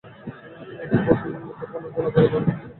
তিনি একটি বন্ধুত্বপূর্ণ গোলা-বারুদ প্রদর্শনীতে বিব্রত হন।